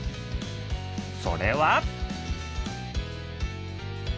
それは。